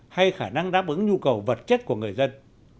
hay khả năng đáp ứng nhu cầu vật chất của người dân